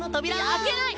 開けない！